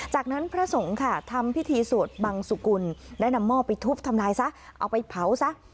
จากนั้นพระสงฆ์ค่ะทำพิธีสวดบังสุกุลและนำหม้อไปทุบทำลายซะเอาไปเผาซะ